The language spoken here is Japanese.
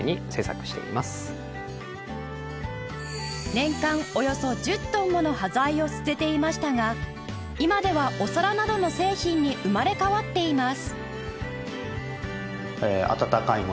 年間およそ１０トンもの端材を捨てていましたが今ではお皿などの製品に生まれ変わっています